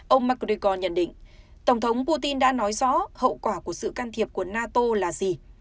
ông macrico nhận định tổng thống putin đã nói rõ hậu quả của sự can thiệp của nato là gì